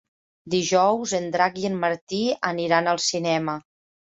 Dijous en Drac i en Martí aniran al cinema.